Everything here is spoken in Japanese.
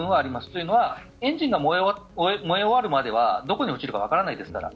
というのはエンジンが燃え終わるまではどこに落ちるか分からないですから。